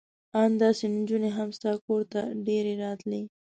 ان داسې نجونې هم ستا کور ته ډېرې راتلې.